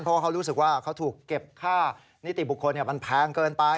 เพราะว่าเขารู้สึกว่าเขาถูกเก็บค่านิติบุคคลมันแพงเกินไป